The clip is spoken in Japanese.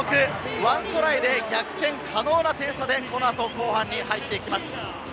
１トライで逆転可能な点差に縮めて後半に入っていきます。